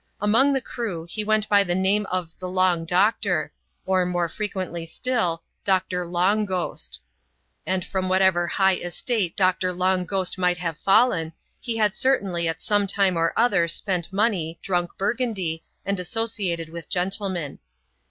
Among the crew, he went by the name of the Long Doctor, or, more fre quently still. Doctor Long Ghost. And from whatever high estate Doctor Long Ghost might have fallen, he had certainly at some time or other spent money, drunk Burgundy, and associated with gentlemen.